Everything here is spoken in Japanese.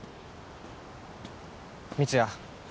光也